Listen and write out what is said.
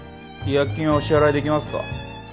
違約金はお支払いできますか？